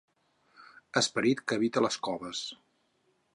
Esperit que habita les coves.